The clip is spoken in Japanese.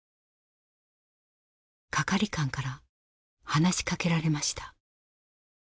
係官から話しかけられました。